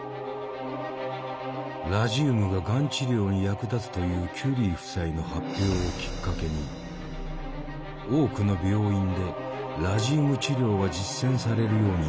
ラジウムががん治療に役立つというキュリー夫妻の発表をきっかけに多くの病院でラジウム治療が実践されるようになっていた。